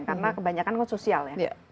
karena kebanyakan sosial